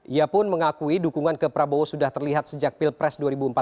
ia pun mengakui dukungan ke prabowo sudah terlihat sejak pilpres dua ribu empat belas